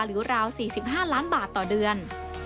ราว๔๕ล้านบาทต่อเดือน